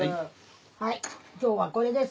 はい今日はこれです。